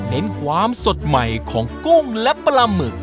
ความสดใหม่ของกุ้งและปลาหมึก